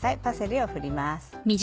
パセリを振ります。